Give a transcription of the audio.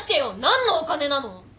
何のお金なの！？